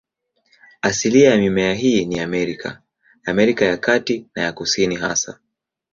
Asilia ya mimea hii ni Amerika, Amerika ya Kati na ya Kusini hasa.